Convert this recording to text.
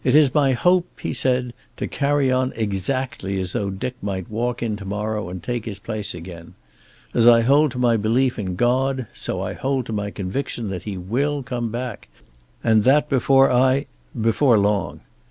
"It is my hope," he said, "to carry on exactly as though Dick might walk in to morrow and take his place again. As I hold to my belief in God, so I hold to my conviction that he will come back, and that before I before long.